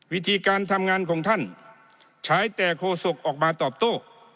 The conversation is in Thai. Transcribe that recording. วิธีการทำงานของท่านใช้แต่โฆษกออกมาตอบโต้